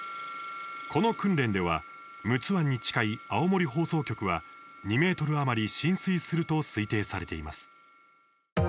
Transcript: この訓練では陸奥湾に近い青森放送局は２ｍ余り浸水すると推定されています。